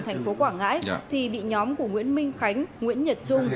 thành phố quảng ngãi thì bị nhóm của nguyễn minh khánh nguyễn nhật trung